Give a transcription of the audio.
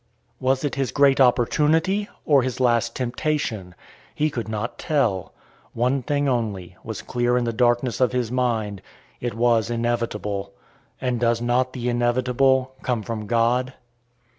Was it his great opportunity, or his last temptation? He could not tell. One thing only was clear in the darkness of his mind it was inevitable. And does not the inevitable come from God?